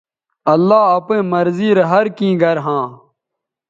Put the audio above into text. اللہ اپئیں مرضی رے ہر کیں گر ھاں